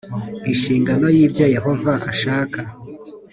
inshingano y Ibyo Yehova ashaka